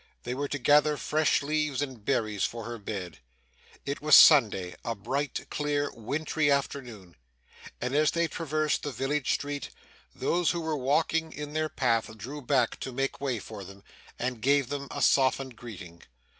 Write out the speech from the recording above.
They were to gather fresh leaves and berries for her bed. It was Sunday a bright, clear, wintry afternoon and as they traversed the village street, those who were walking in their path drew back to make way for them, and gave them a softened greeting.